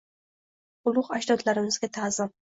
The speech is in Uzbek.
Ulug‘ ajdodlarimizga ta’zim